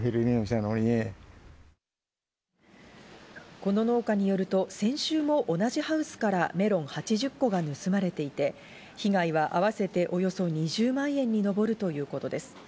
この農家によると、先週も同じハウスからメロン８０個が盗まれていて被害はあわせておよそ２０万円にのぼるということです。